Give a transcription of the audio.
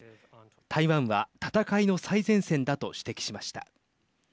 台湾は戦いの最前線だと指摘しました。